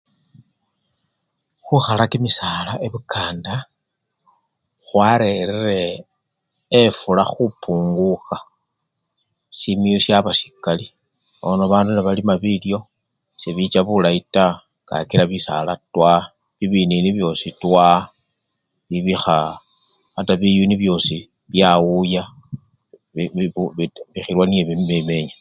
Khukhala kimisala ebukanda khwarerire efula khupungukha simiyu syaba sikali nono bandu nebalima bilyo sebicha bulayi taa kakila bisala twa bibinini byosi twa nibikha! ata biyuni byosi byawuya bi! bi! bitu! bikhilwa niye bimenya.